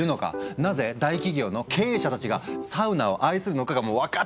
なぜ大企業の経営者たちがサウナを愛するのかが分かっちゃうっていう。